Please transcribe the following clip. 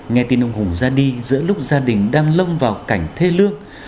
nghe tin ông hùng ra đi giữa lúc gia đình đang lông vào cảnh thê lương